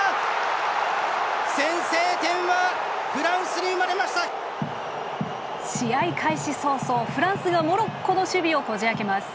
先制点はフランスに生まれました。